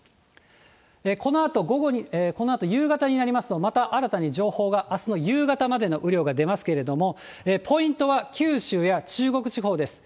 このあと夕方になりますと、また新たに情報が、あすの夕方までの雨量が出ますけれども、ポイントは九州や中国地方です。